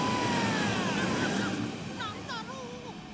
ハハハハなんだろう？